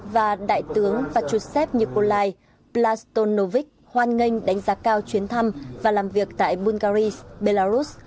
và đại tướng và chủ sếp nikolai plastonovic hoan nghênh đánh giá cao chuyến thăm và làm việc tại bungary belarus